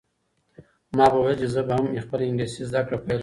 ما به ویل چې زه به هم خپله انګلیسي زده کړه پیل کړم.